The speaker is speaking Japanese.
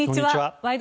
「ワイド！